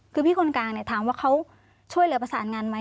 คือพี่คนกลางเนี่ยถามว่าเขาช่วยเหลือประสานงานไหม